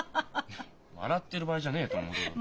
いや笑ってる場合じゃねえと思うけど。